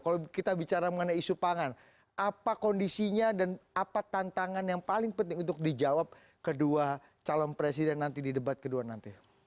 kalau kita bicara mengenai isu pangan apa kondisinya dan apa tantangan yang paling penting untuk dijawab kedua calon presiden nanti di debat kedua nanti